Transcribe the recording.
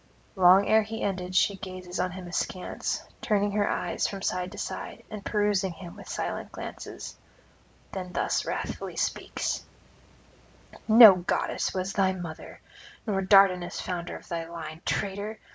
...' Long ere he ended she gazes on him askance, turning her eyes from side to side and perusing him with silent glances; then thus wrathfully speaks: 'No goddess was thy mother, nor Dardanus founder of thy line, traitor!